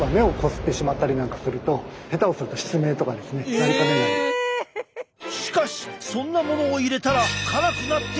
しかしそんなものを入れたら辛くなってしまうのではないか？